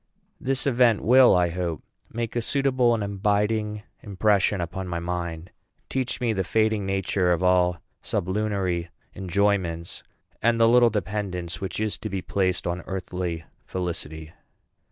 This event will, I hope, make a suitable and abiding impression upon my mind, teach me the fading nature of all sublunary enjoyments, and the little dependence which is to be placed on earthly felicity.